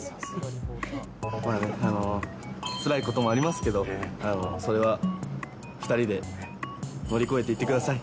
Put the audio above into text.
３、つらいこともありますけど、それは２人で乗り越えていってください。